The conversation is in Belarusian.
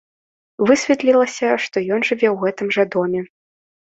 Высветлілася, што ён жыве ў гэтым жа доме.